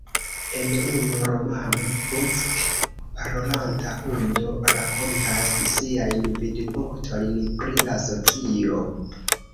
En unu romano, "Puck", parolanta hundo rakontas siajn vidpunktojn pri la socio.